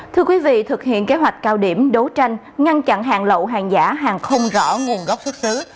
thưa quý vị thực hiện kế hoạch cao điểm đấu tranh ngăn chặn hàng lậu hàng giả hàng không rõ nguồn gốc xuất xứ